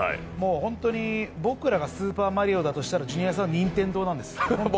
本当に僕らがスーパーマリオだとしたらジュニアさんは任天堂なんです。